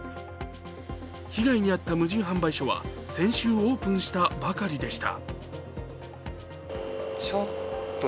被害に遭った無人販売所は先週オープンしたばかりでした。